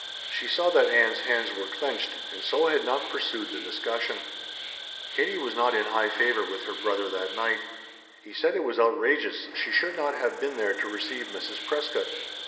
She saw that Ann's hands were clenched, and so had not pursued the discussion. Katie was not in high favor with her brother that night. He said it was outrageous she should not have been there to receive Mrs. Prescott.